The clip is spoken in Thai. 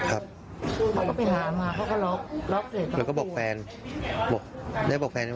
คือเขาก็ไปหามาเขาก็ล็อกล็อกเลยครับแล้วก็บอกแฟนบอกได้บอกแฟน